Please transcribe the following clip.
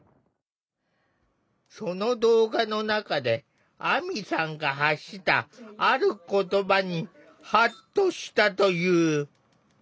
その動画の中で亜美さんが発したある言葉にハッとしたという。